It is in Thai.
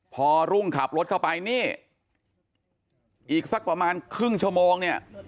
พอรุ่งขับรถเข้าไปนี่อีกสักประมาณครึ่งชั่วโมงเนี่ย